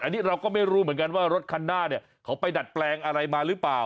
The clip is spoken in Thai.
อันนี้เราก็ไม่รู้เหมือนกันว่ารถคันหน้าเนี่ยเขาไปดัดแปลงอะไรมาหรือเปล่า